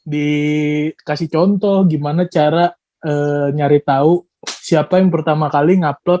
di kasih contoh gimana cara nyari tau siapa yang pertama kali nge upload